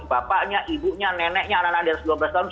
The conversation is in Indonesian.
bapaknya ibunya neneknya anak anak di atas dua belas tahun